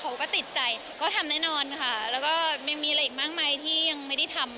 เขาก็ติดใจก็ทำแน่นอนค่ะแล้วก็ยังมีอะไรอีกมากมายที่ยังไม่ได้ทำ